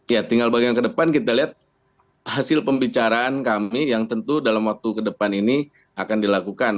ya tinggal bagian ke depan kita lihat hasil pembicaraan kami yang tentu dalam waktu ke depan ini akan dilakukan